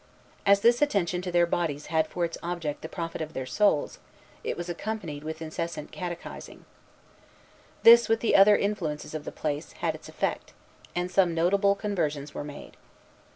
As this attention to their bodies had for its object the profit of their souls, it was accompanied with incessant catechizing. This, with the other influences of the place, had its effect; and some notable conversions were made.